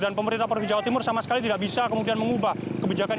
dan pemerintah profil jawa timur sama sekali tidak bisa kemudian mengubah kebijakan